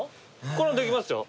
これできますよ。